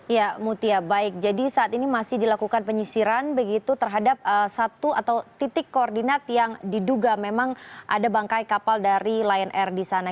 ya mutia baik jadi saat ini masih dilakukan penyisiran begitu terhadap satu atau titik koordinat yang diduga memang ada bangkai kapal dari lion air di sana